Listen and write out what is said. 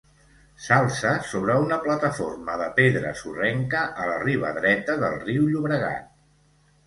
S'alça sobre una plataforma de pedra sorrenca a la riba dreta del riu Llobregat.